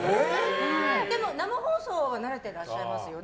でも、生放送は慣れていらっしゃいますよね。